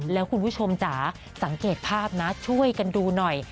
แล้วคุณผู้ชมจ๋าสังเกตภาพนะช่วยกันดูหน่อย